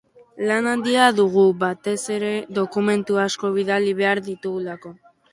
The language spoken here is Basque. Lan handia dugu, batez ere dokumentu asko bidali behar ditugulako.